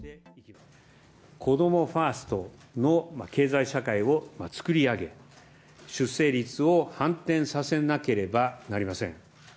子どもファーストの経済社会をつくり上げ、出生率を反転させなければなりません。